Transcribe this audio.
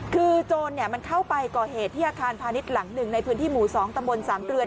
คือโจรมันเข้าไปก่อเหตุที่อาคารพาณิชย์หลังหนึ่งในพื้นที่หมู่๒ตำบล๓เกลือน